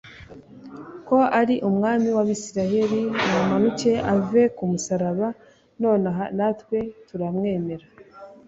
ko ari umwami w’abisiraheli, namanuke ave ku musaraba nonaha, natwe turamwemera